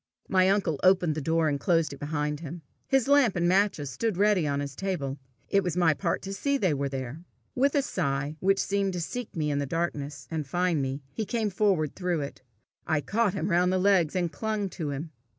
My uncle opened the door, and closed it behind him. His lamp and matches stood ready on his table: it was my part to see they were there. With a sigh, which seemed to seek me in the darkness and find me, he came forward through it. I caught him round the legs, and clung to him.